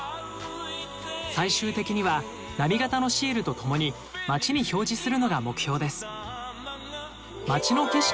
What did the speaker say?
最終的には波形のシールと共に街に表示するのが目標です。